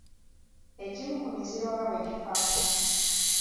Egimu ku miziro nga bwe ginaafaanana.